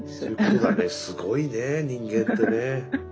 すごいね人間ってね。